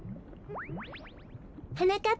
はなかっ